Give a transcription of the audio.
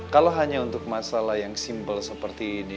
kalau hanya untuk masalah yang simple seperti ini